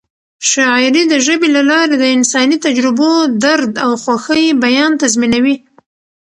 شاعري د ژبې له لارې د انساني تجربو، درد او خوښۍ بیان تضمینوي.